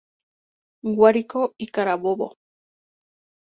Guárico y Carabobo.